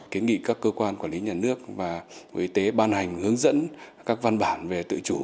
kế nghị các cơ quan quản lý nhà nước và ủy tế ban hành hướng dẫn các văn bản về tự chủ